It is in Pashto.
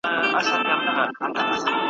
او که برعکس، ,